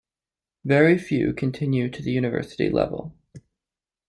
Very few continue to the university level.